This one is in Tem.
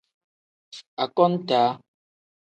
Akontaa.